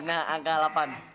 nah angka delapan